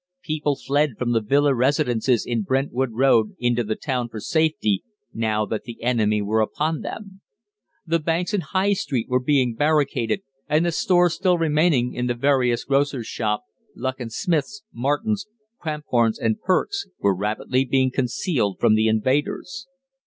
People fled from the villa residences in Brentwood Road into the town for safety, now that the enemy were upon them. The banks in High Street were being barricaded, and the stores still remaining in the various grocers' shops, Luckin Smith's, Martin's, Cramphorn's, and Pearke's, were rapidly being concealed from the invaders.